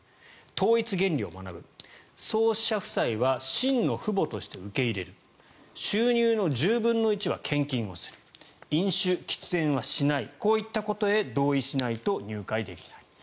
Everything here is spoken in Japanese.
統一原理を学ぶ創始者夫妻は真の父母として受け入れる収入の１０分の１は献金する飲酒、喫煙はしないこういったことへ同意しないと入会できないと。